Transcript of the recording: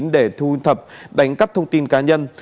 để thu thập đánh cắt thông tin cá nhân